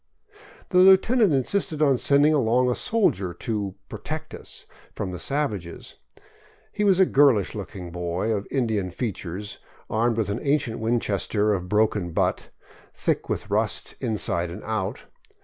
The lieutenant insisted on sending along a soldier to " protect " us from the savages. He was a girlish looking boy of Indian features, armed with an ancient Winchester of broken butt, thick with rust inside and out.